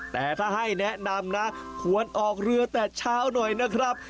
แต่ถ้าให้แนะนำนะควรออกเรือแต่เช้าหน่อยนะครับ